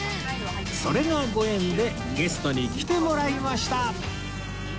それがご縁でゲストに来てもらいました！